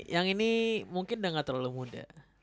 yang ini mungkin udah gak terlalu muda